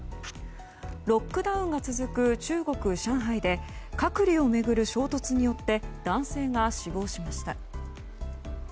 ロックダウンが続く中国・上海で隔離を巡る衝突によって男性が死亡しました。